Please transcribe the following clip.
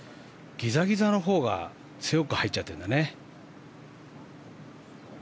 ギザギザのほうが強く入っちゃってるんだね。